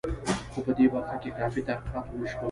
خو په دې برخه کې کافي تحقیقات ونه شول.